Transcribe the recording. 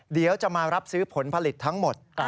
เดี๋ยวจะมารับซื้อผลผลิตทั้งหมด